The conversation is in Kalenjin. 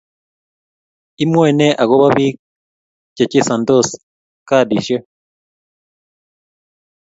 Imwae ne agoba biik chechesansot kadishek?